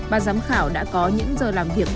bà giám khảo đã có những giờ làm việc